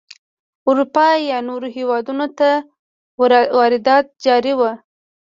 اروپا یا نورو هېوادونو ته واردات جاري وو.